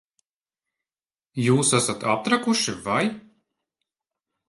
Jūs esat aptrakuši, vai?